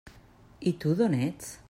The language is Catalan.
I tu, d'on ets?